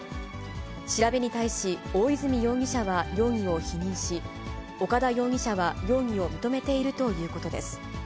調べに対し、大泉容疑者は容疑を否認し、岡田容疑者は容疑を認めているということです。